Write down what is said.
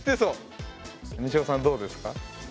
にしおさんどうですか？